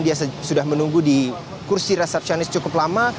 dia sudah menunggu di kursi resepconis cukup lama